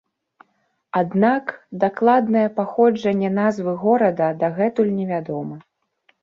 Аднак, дакладнае паходжанне назвы горада дагэтуль невядома.